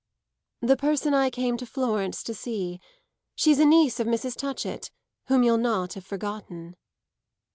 "The person I came to Florence to see. She's a niece of Mrs. Touchett, whom you'll not have forgotten."